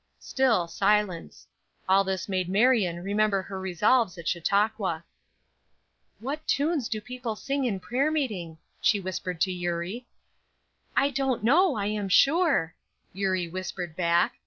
Still silence. All this made Marion remember her resolves at Chautauqua. "What tunes do people sing in prayer meeting?" she whispered to Eurie. "I don't know, I am sure," Eurie whispered back.